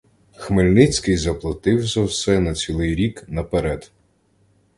Хмельницький заплатив за все на цілий рік наперед.